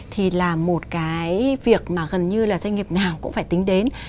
thì là một cái việc mà gần như là doanh nghiệp nào cũng phải tính đến